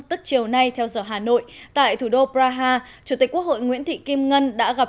tức chiều nay theo giờ hà nội tại thủ đô praha chủ tịch quốc hội nguyễn thị kim ngân đã gặp